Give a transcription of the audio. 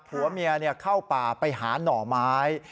ผัวเมียเข้าป่าไปหาหน่อไม้